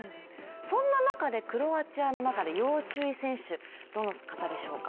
そんなクロアチアの中で要注意選手、どの方でしょうか？